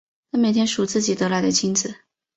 他们每天数自己得来的金子。